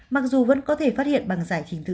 mặc dù vẫn có thể phát hiện bằng giải thính tự gen